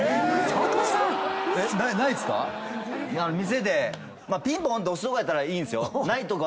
⁉店でピンポンって押すとこだったらいいんすよ。